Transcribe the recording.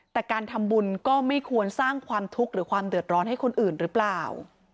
แต่การทำบุญก็ไม่ควรสร้างความทุกข์หรือความเดือดร้อนให้คนอื่นหรือเปล่า